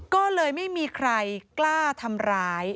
ก็เลยไม่มีใครกล้าทำร้าย